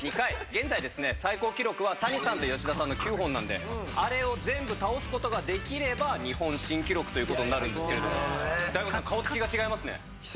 現在ですね最高記録は谷さんと吉田さんの９本なんであれを全部倒すことができれば日本新記録ということになるんですけれども。